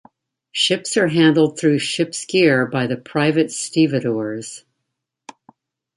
Ships are handled through ship's gear by the private stevedores.